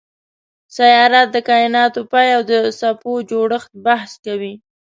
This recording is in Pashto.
سیارات د کایناتو پای او د څپو جوړښت بحث کوي.